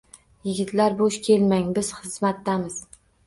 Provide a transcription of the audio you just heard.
Yigitlar, bo’sh kelmang, biz xizmatdamiz!